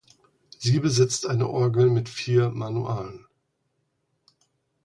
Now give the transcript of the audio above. Sie besitzt eine Orgel mit vier Manualen.